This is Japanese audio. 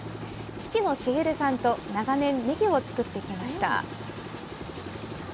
父の茂さんと、長年、ねぎを作ってきました。